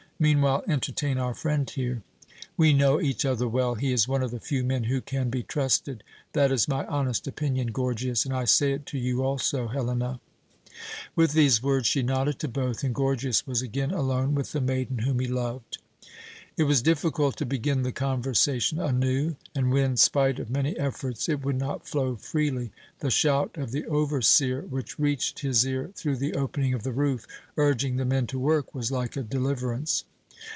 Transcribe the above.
Meanwhile entertain our friend here. We know each other well. He is one of the few men who can be trusted. That is my honest opinion, Gorgias, and I say it to you also, Helena." With these words she nodded to both, and Gorgias was again alone with the maiden whom he loved. It was difficult to begin the conversation anew, and when, spite of many efforts, it would not flow freely, the shout of the overseer, which reached his ear through the opening of the roof, urging the men to work, was like a deliverance.